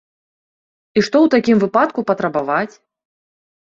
І што ў такім выпадку патрабаваць?